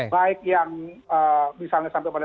baik yang misalnya sampai pada